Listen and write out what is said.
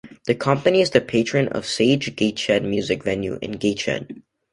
The company is the patron of The Sage Gateshead music venue in Gateshead.